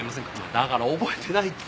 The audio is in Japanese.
だから覚えてないって。